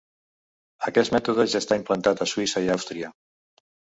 Aquest mètode ja està implantat a Suïssa i Àustria.